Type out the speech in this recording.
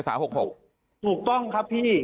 คุณคุณไม่รู้ถูกต้องครับพี่